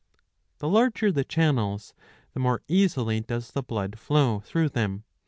The larger the channels, the more easily does the blood flow through them.